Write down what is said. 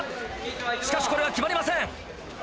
しかしこれは決まりません。